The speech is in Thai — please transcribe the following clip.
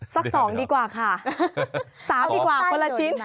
สัก๒ดีกว่าค่ะ๓ดีกว่าคนละชิ้น